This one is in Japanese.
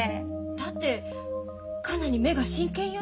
だってかなり目が真剣よ。